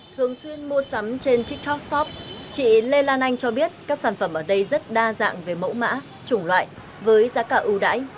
thường xuyên mua sắm trên tiktok shop chị lê lan anh cho biết các sản phẩm ở đây rất đa dạng về mẫu mã chủng loại với giá cả ưu đãi